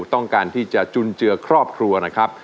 ต้องการที่จะจุนเจือครอบครัวนะครับ